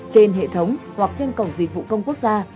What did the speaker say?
trên hệ thống hoặc trên cổng dịch vụ công quốc gia